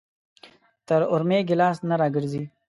تر اورمېږ يې لاس نه راګرځي.